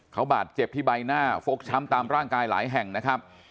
เขาบาดเจ็บที่ใบหน้าฟกช้ำตามร่างกายหลายแห่งนะครับ